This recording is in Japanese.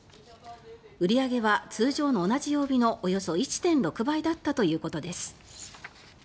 売り上げは通常の同じ曜日のおよそ１．６倍だったということです。